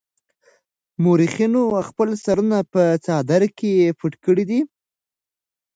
مورخينو خپل سرونه په څادر کې پټ کړي دي.